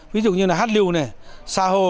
ví dụ như hát lưu sa hồ